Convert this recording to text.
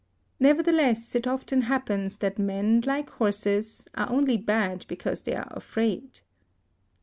Nevertheless it often happens that men, like horses, are only bad because they are afraid.